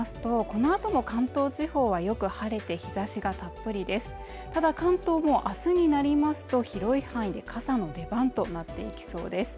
このあとも関東地方はよく晴れて日差しがたっぷりですただ関東も明日になりますと広い範囲で傘の出番となっていきそうです